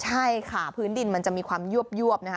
ใช่ค่ะพื้นดินมันจะมีความยวบนะคะ